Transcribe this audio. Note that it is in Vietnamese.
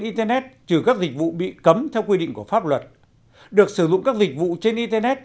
internet trừ các dịch vụ bị cấm theo quy định của pháp luật được sử dụng các dịch vụ trên internet